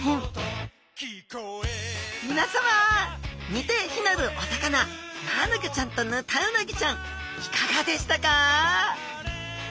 似て非なるお魚マアナゴちゃんとヌタウナギちゃんいかがでしたか？